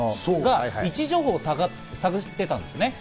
位置情報を探っていたんです。